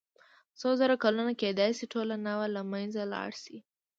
څو زره کلونه کېدای شي ټوله نوعه له منځه لاړه شي.